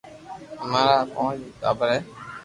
امارآ پونچ ٽاٻر ھي